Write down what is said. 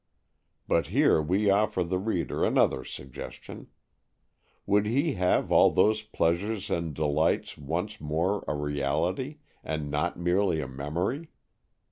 But here we offer the reader another suggestion. Would he have all those pleasures and delights once more a reality, and not merely a memory?